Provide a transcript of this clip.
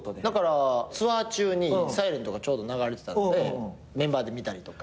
ツアー中に『ｓｉｌｅｎｔ』がちょうど流れてたのでメンバーで見たりとか。